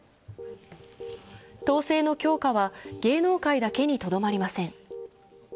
統制の強化は芸能界だけにとどまりません。